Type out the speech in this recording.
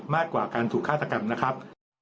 มากกว่าการถูกฆาตกรรมนะครับ